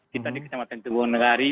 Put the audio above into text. kita di kecamatan teguh negari